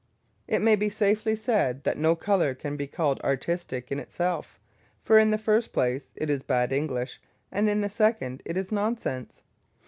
It may be safely said that no colour can be called artistic in itself; for, in the first place, it is bad English, and in the second, it is nonsense.